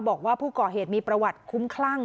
บอกว่าผู้ก่อเหตุมีประวัติคุ้มคลั่ง